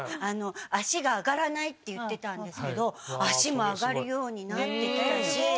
あの脚が上がらないって言ってたんですけど脚も上がるようになってきたし。